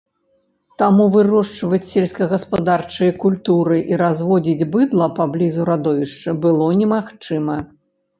Таму вырошчваць сельскагаспадарчыя культуры і разводзіць быдла паблізу радовішча было немагчыма.